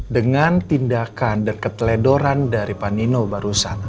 dengan tindakan dan keteledoran dari pak nino barusan